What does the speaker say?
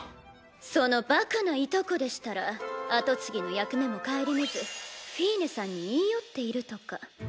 そのバカないとこでしたら跡継ぎの役目も顧みずフィーネさんに言い寄っているとか。